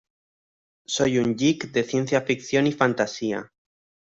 Soy un geek de ciencia ficción y fantasía.